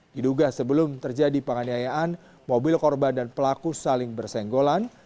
diduga sebelum terjadi penganiayaan mobil korban dan pelaku saling bersenggolan